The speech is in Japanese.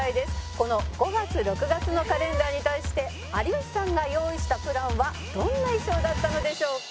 「この５月６月のカレンダーに対して有吉さんが用意したプランはどんな衣装だったのでしょうか？」